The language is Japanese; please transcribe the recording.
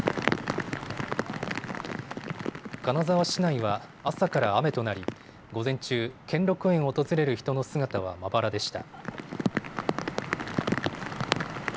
金沢市内は朝から雨となり午前中、兼六園を訪れる人の姿はまばらでした。